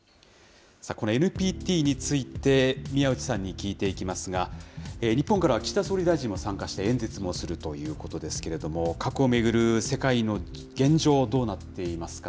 このＮＰＴについて、宮内さんに聞いていきますが、日本からは岸田総理大臣が参加して、演説もするということですけれども、核を巡る世界の現状、どうなっていますか？